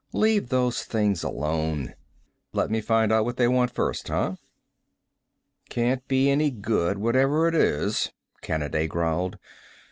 "Leave those things alone!" "Let me find out what they want first, huh?" "Can't be any good, whatever it is," Kanaday growled.